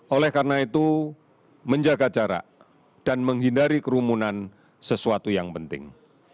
oleh karena itu menjaga jarak dan menghindari kerumunan sesuatu yang penting